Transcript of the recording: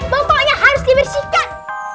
botolnya harus dibersihkan